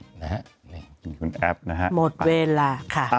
แล้วนี่คุณแอฟหมดเวลาค่ะ